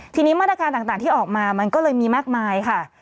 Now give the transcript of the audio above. ทีนี้มาตรการต่างที่ออกมามันก็เลยมีมากมายค่ะ